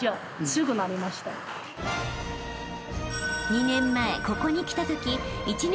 ［２年前ここに来たとき］